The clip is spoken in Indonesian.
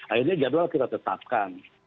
akhirnya jadwal kita tetapkan